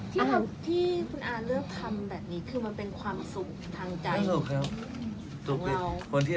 ที่คุณอาเลือกทำแบบนี้คือมันเป็นความสุขทางใจ